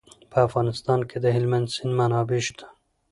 په افغانستان کې د هلمند سیند منابع شته.